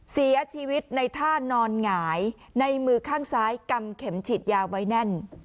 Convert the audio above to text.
เสียชีวิตในท่านอนหงายในมือข้างซ้ายกำเข็มฉีดยาไว้แน่น